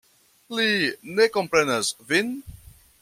Li ne komprenas vin?